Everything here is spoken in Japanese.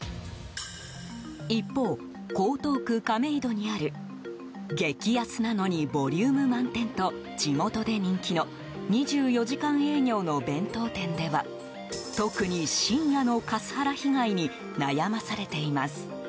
一方、江東区亀戸にある激安なのにボリューム満点と地元で人気の２４時間営業の弁当店では特に、深夜のカスハラ被害に悩まされています。